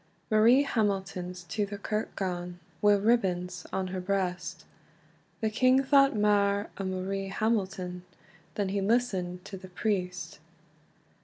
Marie Hamilton's to the kirk gane, Wi ribbons on her breast; The king thought mair o Marie Hamilton, Than he listend to the priest.